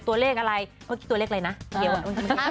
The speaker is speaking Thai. ตัวเลขอะไรเมื่อกี้ตัวเลขอะไรนะเกี่ยวกับ